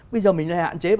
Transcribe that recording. bây giờ mình lại hạn chế